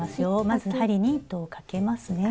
まず針に糸をかけますね。